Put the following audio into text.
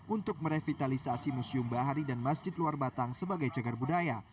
untuk merevitalisasi museum bahari dan masjid luar batang sebagai cagar budaya